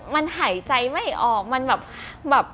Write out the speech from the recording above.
มันหายใจไม่ออกมันแบบ